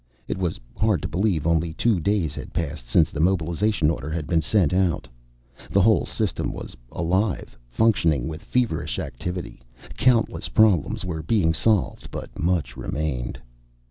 It was hard to believe only two days had passed since the mobilization order had been sent out. The whole system was alive, functioning with feverish activity. Countless problems were being solved but much remained.